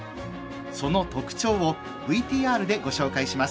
その特徴をＶＴＲでご紹介します。